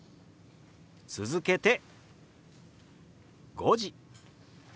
続けて「５時」。